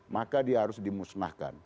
maka dia harus dimusnahkan